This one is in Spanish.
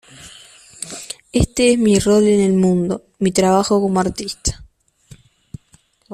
Este es mi rol en el mundo, mi trabajo como artista.